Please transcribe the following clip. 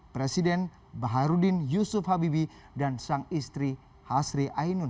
presiden baharudin yusuf habibi dan sang istri hasri ainun